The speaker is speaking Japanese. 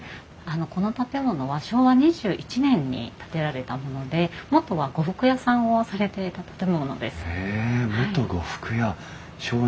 この建物は昭和２１年に建てられたもので元は呉服屋さんをされていた建物です。